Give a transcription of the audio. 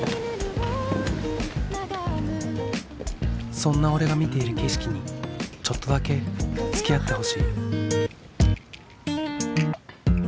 そんな俺が見ている景色にちょっとだけつきあってほしい。